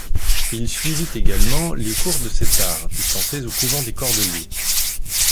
Il suivit également les cours de cet art dispensés au couvent des Cordeliers.